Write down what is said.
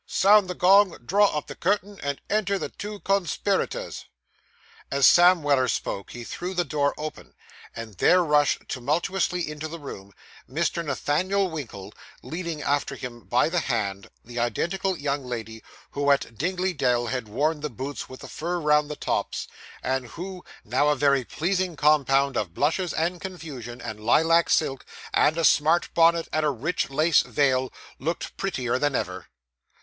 'Sound the gong, draw up the curtain, and enter the two conspiraytors.' As Sam Weller spoke, he threw the door open, and there rushed tumultuously into the room, Mr. Nathaniel Winkle, leading after him by the hand, the identical young lady who at Dingley Dell had worn the boots with the fur round the tops, and who, now a very pleasing compound of blushes and confusion, and lilac silk, and a smart bonnet, and a rich lace veil, looked prettier than ever.